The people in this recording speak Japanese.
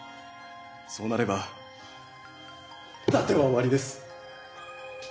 そうなれば伊達は終わりです。